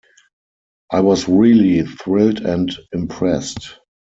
I was really thrilled and impressed.